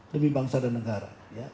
demi bangsa dan negara